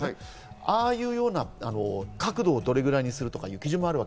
ああいうような角度をどれぐらいにするかという基準もある。